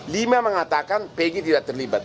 lima mengatakan pg tidak terlibat